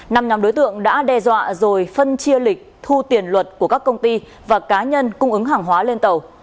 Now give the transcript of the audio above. năm nhóm đối tượng đã đe dọa rồi phân chia lịch thu tiền luật của các công ty và cá nhân cung ứng hàng hóa lên tàu